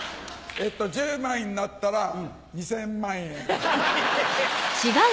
えっと１０枚になったら２０００万円。